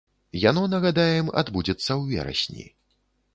Яно, нагадаем, адбудзецца ў верасні.